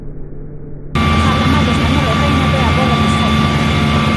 O gardamallas Manolo Reina ve a bola de esguello.